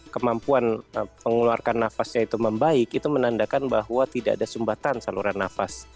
kemampuan mengeluarkan nafasnya itu membaik itu menandakan bahwa tidak ada sumbatan saluran nafas